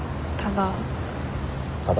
ただ。